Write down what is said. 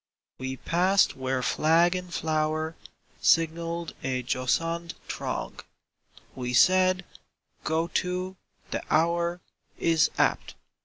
H. WE passed where flag and flower Signalled a jocund throng; We said: "Go to, the hour Is apt!"